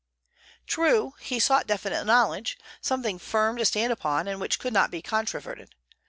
True, he sought definite knowledge, something firm to stand upon, and which could not be controverted.